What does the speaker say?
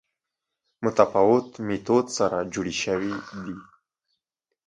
متفاوت میتود سره جوړې شوې دي